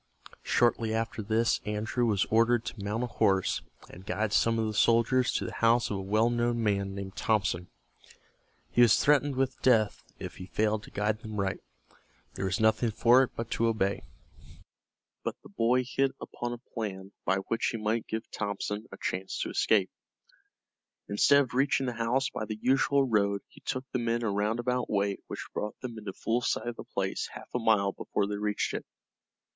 Shortly after this Andrew was ordered to mount a horse, and guide some of the soldiers to the house of a well known man named Thompson. He was threatened with death if he failed to guide them right. There was nothing for it but to obey, but the boy hit upon a plan by which he might give Thompson a chance to escape. Instead of reaching the house by the usual road he took the men a roundabout way which brought them into full sight of the place half a mile before they reached it.